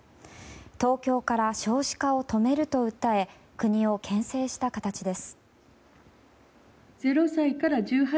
東京から少子化を止めると訴え国を牽制した形です。